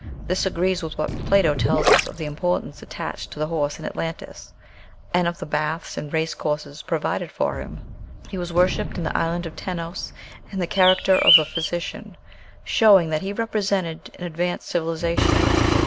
This agrees with what Plato tells us of the importance attached to the horse in Atlantis, and of the baths and race courses provided for him. He was worshipped in the island of Tenos "in the character of a physician," showing that he represented an advanced civilization.